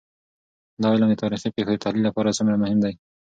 دا علم د تاريخي پېښو د تحلیل لپاره څومره مهم دی؟